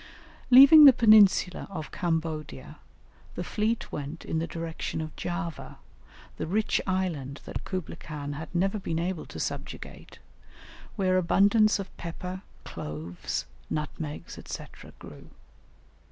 Leaving the peninsula of Cambodia, the fleet went in the direction of Java, the rich island that Kublaï Khan had never been able to subjugate, where abundance of pepper, cloves, nutmegs, &c., grew.